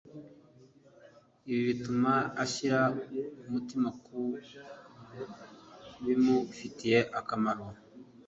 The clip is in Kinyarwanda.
ibi bituma ashyira umutima ku bimufitiye akamaro